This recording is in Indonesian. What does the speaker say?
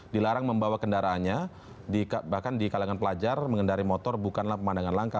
dilarang membawa kendaraannya bahkan di kalangan pelajar mengendari motor bukanlah pemandangan langka